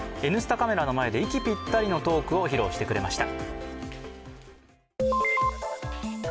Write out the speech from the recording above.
カメラの前で息ぴったりのトークを披露してくれました。